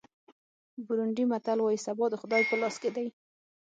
بورونډي متل وایي سبا د خدای په لاس کې دی.